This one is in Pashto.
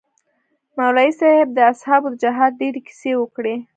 مولوي صاحب د اصحابو د جهاد ډېرې کيسې وکړې.